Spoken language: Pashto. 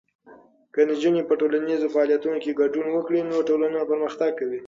که نجونې په ټولنیزو فعالیتونو کې ګډون وکړي، نو ټولنه پرمختګ کوي.